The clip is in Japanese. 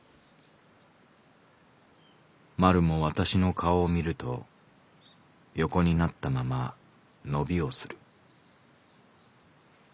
「まるも私の顔を見ると横になったまま伸びをする」。